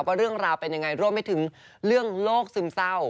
ว่าเรื่องราวเป็นยังไงรวมไปถึงเรื่องโรคซึมเศร้า